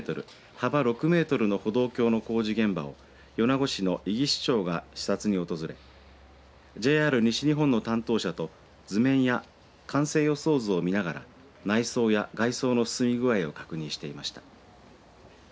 幅６メートルの歩道橋の工事現場を米子市の伊木市長が視察に訪れＪＲ西日本の担当者と図面や完成予想図を見ながら内装や外装の進み具合を確認していました。